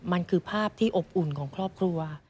มันคือภาพที่อบอุ่นของครอบครัว